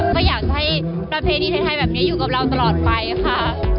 ก็อยากจะให้ประเพณีไทยแบบนี้อยู่กับเราตลอดไปค่ะ